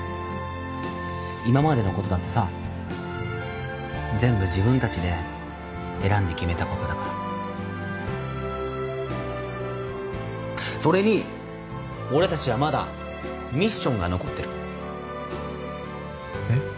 今までのことだってさ全部自分達で選んで決めたことだからそれに俺達はまだミッションが残ってるえっ？